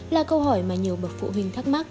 là câu hỏi mà nhiều bậc phụ huynh thắc mắc